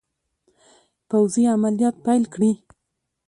پوځي عملیات پیل کړي.